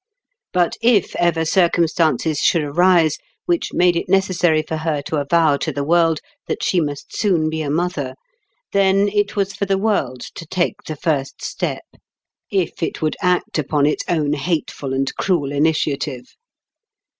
But if ever circumstances should arise which made it necessary for her to avow to the world that she must soon be a mother, then it was for the world to take the first step, if it would act upon its own hateful and cruel initiative.